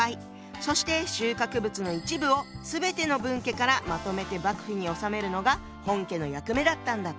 そして収穫物の一部を全ての分家からまとめて幕府に納めるのが本家の役目だったんだって。